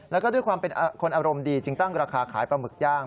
แล้วก็ด้วยความเป็นคนอารมณ์ดีจึงตั้งราคาขายปลาหมึกย่าง